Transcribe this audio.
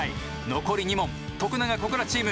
残り２問徳永・小倉チーム